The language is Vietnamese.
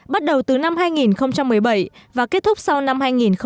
bắt đầu từ năm hai nghìn một mươi bảy và kết thúc sau năm hai nghìn hai mươi tám